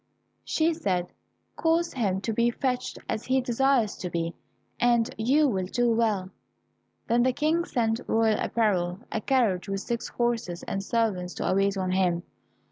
She said, "Cause him to be fetched as he desires to be, and you will do well." Then the King sent royal apparel, a carriage with six horses, and servants to wait on him.